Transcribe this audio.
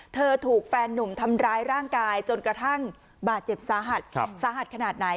ถูกแฟนหนุ่มทำร้ายร่างกายจนกระทั่งบาดเจ็บสาหัสสาหัสขนาดไหน